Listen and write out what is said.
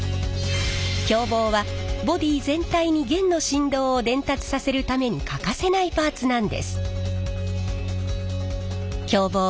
響棒はボディー全体に弦の振動を伝達させるために欠かせないパーツなんです。